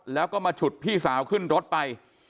แล้วก็มาฉุดพี่สาวขึ้นรถไป